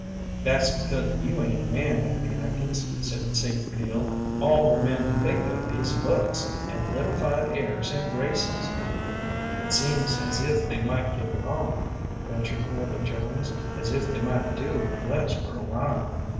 "That's because you ain't a man, Abby Atkins," said Sadie Peel. "All the men think of is looks, and little fine airs and graces." "It seems as if they might get along," ventured Willy Jones, "as if they might do with less for a while."